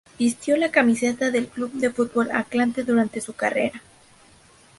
Vistió la camiseta del Club de Fútbol Atlante durante su carrera.